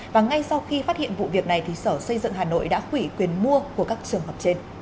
và ngay sau khi phát hiện vụ việc này thì sở xây dựng hà nội đã quỷ quyền mua của các trường hợp trên